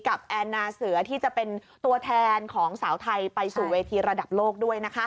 แอนนาเสือที่จะเป็นตัวแทนของสาวไทยไปสู่เวทีระดับโลกด้วยนะคะ